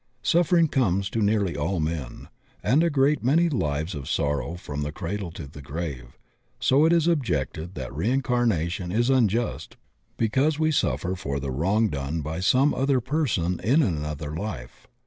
Suffering comes to nearly all men, and a great many live lives of sorrow from the cradle to the grave, so it is objected that reincarnation is unjust because we suffer for the wrong done by some other person in another life.